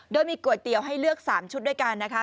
โดยมีก๋วยเตี๋ยวให้เลือก๓ชุดด้วยกันนะคะ